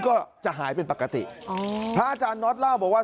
ก็จะหายเป็นปกติอ๋อพระอาจารย์น็อตเล่าบอกว่า